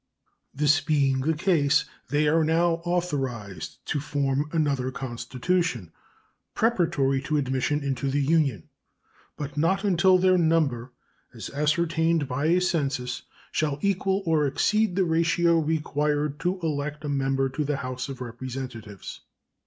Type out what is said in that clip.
This being the case, they are now authorized to form another constitution, preparatory to admission into the Union, but not until their number, as ascertained by a census, shall equal or exceed the ratio required to elect a member to the House of Representatives.